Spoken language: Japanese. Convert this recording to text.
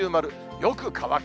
よく乾く。